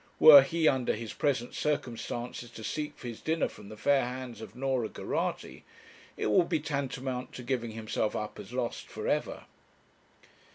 Were he, under his present circumstances, to seek for his dinner from the fair hands of Norah Geraghty, it would be tantamount to giving himself up as lost for ever.